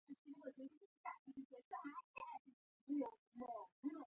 بادام د افغانستان د اجتماعي جوړښت برخه ده.